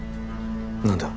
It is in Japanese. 何だ？